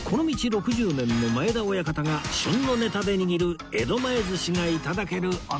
６０年の前田親方が旬のネタで握る江戸前寿司が頂けるお店